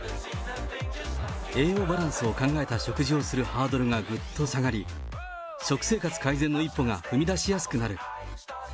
栄養バランスを考えた食事をするハードルがぐっと下がり、食生活改善の一歩が踏み出しやすくなる。